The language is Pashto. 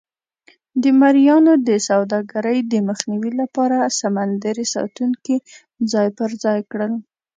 د مریانو د سوداګرۍ د مخنیوي لپاره سمندري ساتونکي ځای پر ځای کړل.